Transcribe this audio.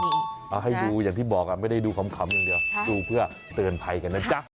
เอาให้ดูอย่างที่บอกไม่ได้ดูขำอย่างเดียวดูเพื่อเตือนภัยกันนะจ๊ะ